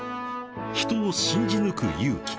［人を信じ抜く勇気］